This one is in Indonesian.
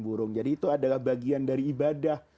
burung jadi itu adalah bagian dari ibadah